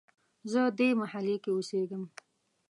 زه دې محلې کې اوسیږم